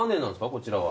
こちらは。